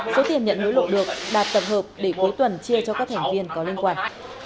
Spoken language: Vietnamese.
số tiền nhận hối lộ được đạt tập hợp để cuối tuần chia cho các thành viên có liên quan